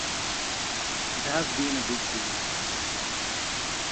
It has been a big dinner.